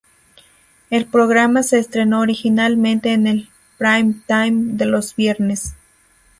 El programa se estrenó originalmente en el "prime time" de los viernes.